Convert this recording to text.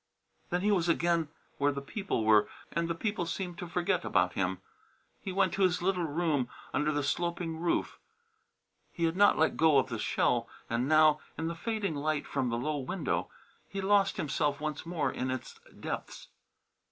Then he was out again where the people were, and the people seemed to forget about him. He went to his little room under the sloping roof. He had not let go of the shell and now, in the fading light from the low window, he lost himself once more in its depths.